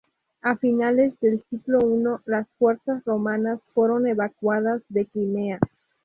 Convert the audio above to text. A finales del siglo I, las fuerzas romanas fueron evacuadas de Crimea.